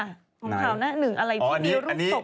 ของข่าวหน้า๑ที่มีรูปศพคืออะไรครับพี่